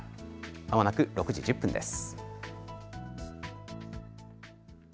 まもなく６時１０分です。